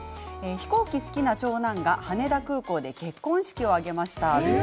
飛行機好きな長男が羽田空港で結婚式を挙げました。